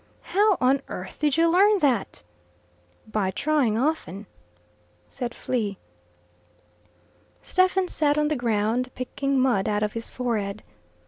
"How on earth did you learn that?" "By trying often," said Flea. Stephen sat on the ground, picking mud out of his forehead.